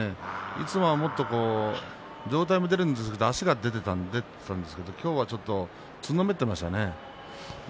いつもはもっと上体も出るんですけど、足が出ていたんですけど今日はつんのめってしたね。